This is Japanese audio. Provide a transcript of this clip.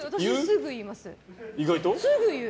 すぐ言う！